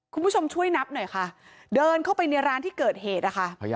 คุณผู้ชมช่วยนับหน่อยค่ะเดินเข้าไปในร้านที่เกิดเหตุนะคะ